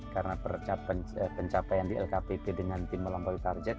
karena pencapaian di lkpp dengan tim melanggoli target